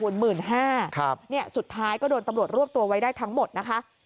สุดท้ายก็โดนตำรวจรวบตัวไว้ได้ทั้งหมดนะคะ